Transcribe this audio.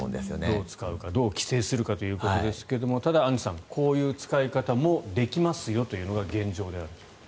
どう使うかどう規制するかただ、アンジュさんこういう使い方もできるというのが現状である。